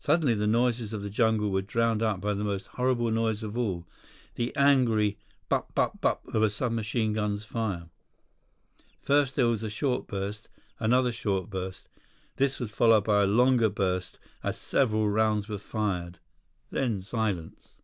Suddenly, the noises of the jungle were drowned out by the most horrible noise of all—the angry, "bup, bup, bup" of a sub machine gun's fire. First there was a short burst. Another short burst. This was followed by a longer burst as several rounds were fired. Then, silence.